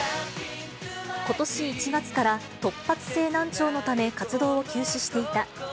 ことし１月から、突発性難聴のため活動を休止していた、Ｈｅｙ！